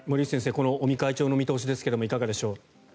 この尾身会長の見通しですがいかがでしょう？